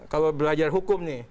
kalau belajar hukum nih